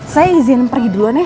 saya izin pergi duluan ya